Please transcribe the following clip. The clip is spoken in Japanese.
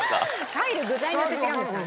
入る具材によって違うんですかね。